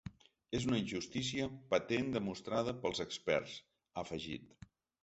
Es una injustícia patent demostrada pels experts, ha afegit.